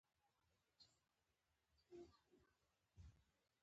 خو دا د لیکوال خپل ځانګړی کمال دی.